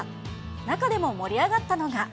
中でも盛り上がったのが。